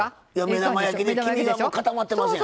目玉焼きで黄身がもう固まってますやん。